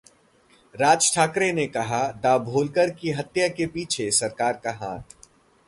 राज ठाकरे ने कहा, 'दाभोलकर की हत्या के पीछे सरकार का हाथ'